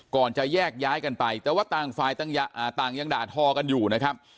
ก่อนจะแยกย้ายกันไปแต่ว่าต่างฝ่ายต่างยังด่าทอกันอยู่นะครับ